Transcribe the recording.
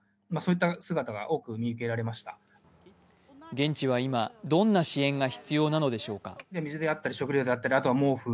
現地は今、どんな支援が必要なのでしょうか。